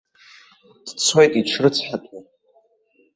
Дцоит иҽрыцҳатәны.